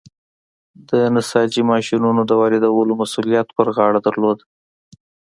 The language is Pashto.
د نساجۍ ماشینونو د واردولو مسوولیت پر غاړه درلود.